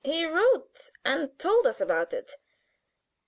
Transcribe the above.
He wrote and told us about it.